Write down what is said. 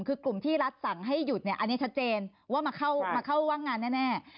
คือกลุ่มที่รัฐสั่งให้หยุดเนี่ยอันนี้ชัดเจนว่ามาเข้าว่างงานแน่